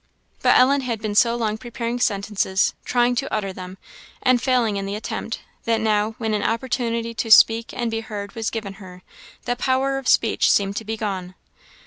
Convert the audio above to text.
But Ellen had been so long preparing sentences, trying to utter them, and failing in the attempt, that now, when an opportunity to speak and be heard was given her, the power of speech seemed to be gone.